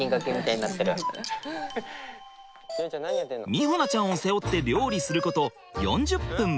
美穂菜ちゃんを背負って料理すること４０分。